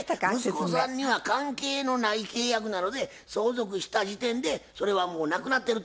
息子さんには関係のない契約なので相続した時点でそれはもうなくなってると。